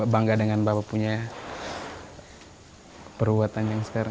bangga dengan bapak punya perbuatan yang sekarang